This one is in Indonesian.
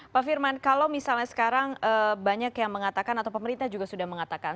pak firman kalau misalnya sekarang banyak yang mengatakan atau pemerintah juga sudah mengatakan